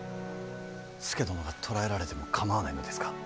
佐殿が捕らえられても構わないのですか。